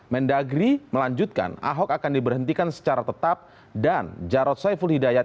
mendagri melanjutkan ahok akan diberhentikan secara tetap dan jarod saiful hidayat